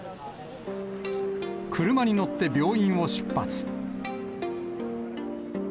車に乗って病院を出発。